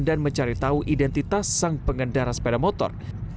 dan mencari tahu identitas sang pengendara sepeda motor